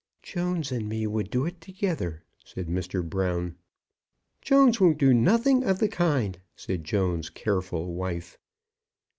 "Jones and me would do it together," said Mr. Brown. "Jones won't do nothing of the kind," said Jones's careful wife.